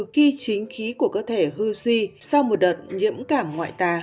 khi chính khí của cơ thể hư suy sau một đợt nhiễm cảm ngoại ta